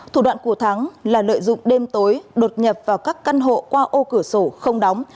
thủ đoạn của thắng là lợi dụng đêm tối đột nhập vào các căn hộ qua ô cửa sổ không đóng